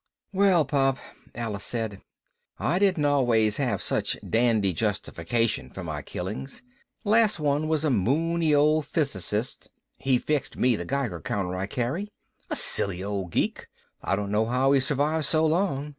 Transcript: "Well, Pop," Alice said, "I didn't always have such dandy justification for my killings. Last one was a moony old physicist he fixed me the Geiger counter I carry. A silly old geek I don't know how he survived so long.